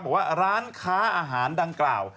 บอกว่าร้านค้าอาหารดังกล่าว